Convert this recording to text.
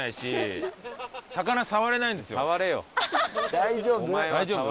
大丈夫。